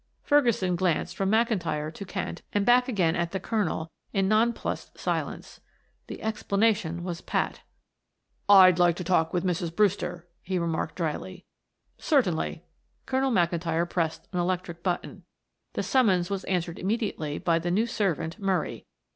Ferguson glanced from McIntyre to Kent and back again at the Colonel in non plussed silence. The explanation was pat. "I'd like to talk with Mrs. Brewster," he remarked dryly. "Certainly." McIntyre pressed an electric button. The summons was answered immediately by the new servant, Murray.